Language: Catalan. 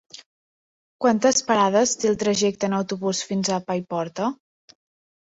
Quantes parades té el trajecte en autobús fins a Paiporta?